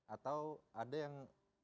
atau ada yang